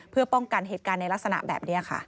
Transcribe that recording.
เพื่อป้องกันเหตุการณ์ในลักษณะแบบนี้ค่ะ